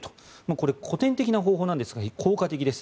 これは古典的な方法ですが効果的です。